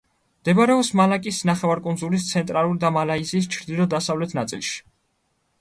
მდებარეობს მალაკის ნახევარკუნძულის ცენტრალურ და მალაიზიის ჩრდილო-დასავლეთ ნაწილში.